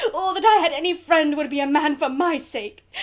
or that I had any friend, who would be a man for my sake!